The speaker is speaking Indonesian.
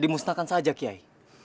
dimusnahkan saja kiai